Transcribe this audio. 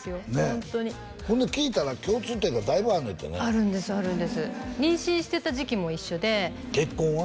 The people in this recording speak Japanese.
ホントにほんで聞いたら共通点がだいぶあるねんってねあるんですあるんです妊娠してた時期も一緒で結婚は？